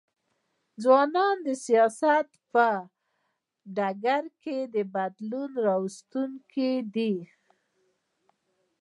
ځوانان د سیاست په ډګر کي د بدلون راوستونکي دي.